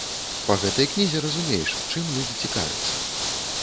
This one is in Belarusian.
Па гэтай кнізе разумееш, чым людзі цікавяцца.